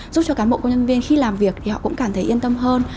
giúp cho cán bộ công nhân viên khi làm việc thì họ cũng cảm thấy yên tâm hơn